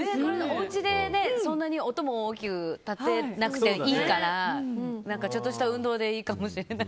おうちで、そんなに音も大きく立てなくていいからちょっとした運動でいいかもしれない。